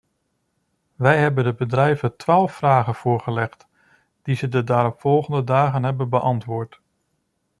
Wij hebben de bedrijven twaalf vragen voorgelegd die zij de daaropvolgende dagen hebben beantwoord.